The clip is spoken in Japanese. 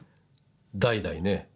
代々ね。